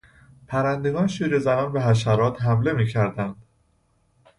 پرندگان شیرجهزنان به حشرات حمله میکردند.